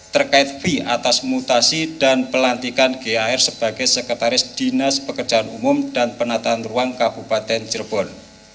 terkait v atas mutasi dan pelantikan gar sebagai sekretaris dinas pekerjaan umum dan penataan ruang kabupaten cirebon